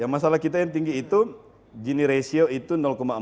yang masalah kita yang tinggi itu gini rasio itu empat puluh dua